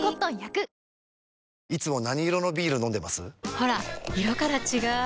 ほら色から違う！